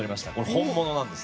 本物なんです。